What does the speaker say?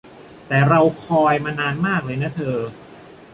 แต่เราคอยล์มานานมากเลยนะเธอ